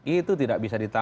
itu tidak bisa ditangani